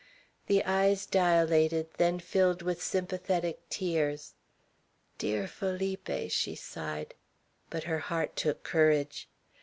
The eyes dilated, then filled with sympathetic tears. "Dear Felipe!" she sighed; but her heart took courage.